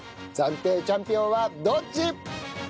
暫定チャンピオンはどっち！？